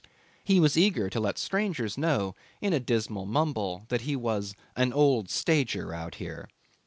He was eager to let strangers know in a dismal mumble that he was 'an old stager out here.